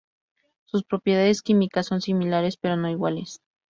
Sus propiedades químicas son similares pero no iguales.